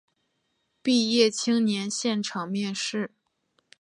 毕业青年现场面试